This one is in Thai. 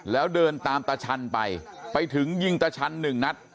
แล้วเดินตามตาชันไปไปถึงยิงตาชันหนึ่งนัด